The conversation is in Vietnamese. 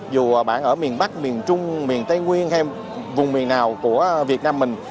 dù bạn ở miền bắc miền trung miền tây nguyên hay vùng miền nào của việt nam mình